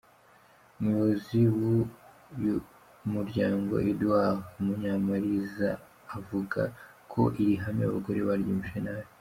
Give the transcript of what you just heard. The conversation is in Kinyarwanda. Umuyobozi w’uyu muryango Eduard Munyamariza avuga ko iri hame abagore baryumvise nabi.